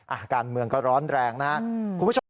อาการเมืองก็ร้อนแรงนะครับ